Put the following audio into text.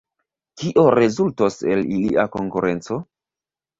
Kio rezultos el ilia konkurenco?